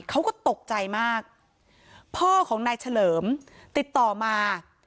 เขาก็ตกใจมากพ่อของนายเฉลิมติดต่อมา